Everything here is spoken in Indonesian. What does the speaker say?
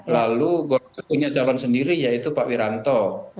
lalu golkar punya calon sendiri yaitu pak wiranto